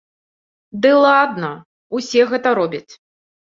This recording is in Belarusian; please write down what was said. Ды ладна, усе гэта робяць.